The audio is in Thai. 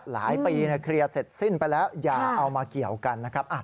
หลายปีเคลียร์เสร็จสิ้นไปแล้วอย่าเอามาเกี่ยวกันนะครับ